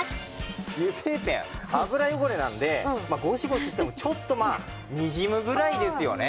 油性ペン油汚れなのでゴシゴシしてもちょっとにじむぐらいですよね。